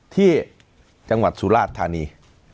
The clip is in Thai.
ที่จังหวัดสุราชธานี